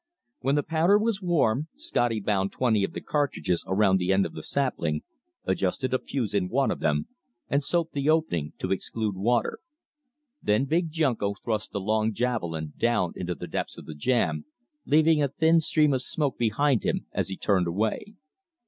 When the powder was warm, Scotty bound twenty of the cartridges around the end of the sapling, adjusted a fuse in one of them, and soaped the opening to exclude water. Then Big Junko thrust the long javelin down into the depths of the jam, leaving a thin stream of smoke behind him as he turned away.